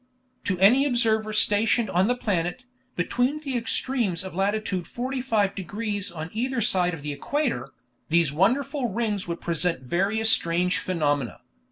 To any observer stationed on the planet, between the extremes of lat. 45 degrees on either side of the equator, these wonderful rings would present various strange phenomena.